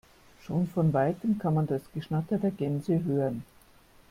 Schon von weitem kann man das Geschnatter der Gänse hören.